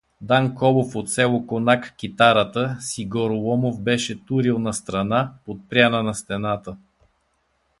Дан Колов от село Конак Китарата си Гороломов беше турил настрана, подпряна на стената.